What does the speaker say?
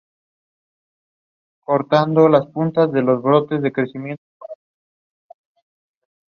En un principio se acordaron cinco, con dos jueces cada uno.